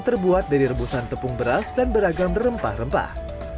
terbuat dari rebusan tepung beras dan beragam rempah rempah